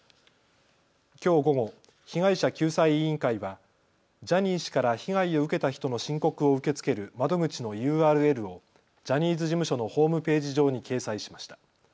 きょう午後、被害者救済委員会はジャニー氏から被害を受けた人の申告を受け付ける窓口のＵＲＬをジャニーズ事務所のホームページ上に掲載しました。